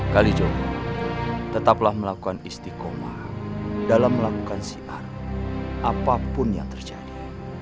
kalijogo tetaplah melakukan istiqomah dalam melakukan syiar apapun yang terjadi